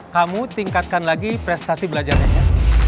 kamu tingkatkan lagi prestasi belajarnya